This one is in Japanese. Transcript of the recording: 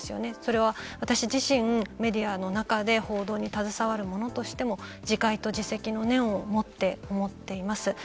それは、私自身メディアの中で報道に携わる者としても自戒と自責の念を持ってと思っています。